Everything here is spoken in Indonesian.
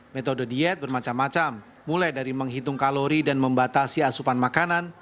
metode diet bermacam macam mulai dari menghitung kalori dan membatasi asupan makanan